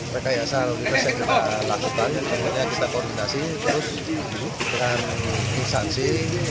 rekayasa arus lintas yang kita lakukan kita koordinasi terus dengan instansi